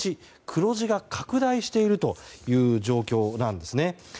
黒字が拡大しているという状況なんですね。